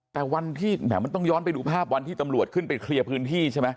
แต่วันที่แหมมันต้องย้อนไปดูภาพวันที่ตำรวจขึ้นไปเคลียร์พื้นที่ใช่ไหม